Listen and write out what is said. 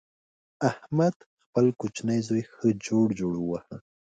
احمد خپل کوچنۍ زوی ښه جوړ جوړ وواهه.